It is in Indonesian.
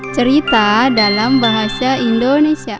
cerita dalam bahasa indonesia